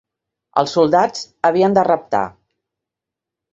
Els soldats havien de reptar.